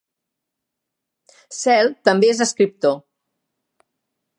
Cehl també és escriptor.